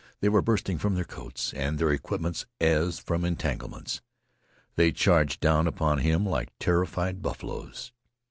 They were bursting from their coats and their equipments as from entanglements. They charged down upon him like terrified buffaloes.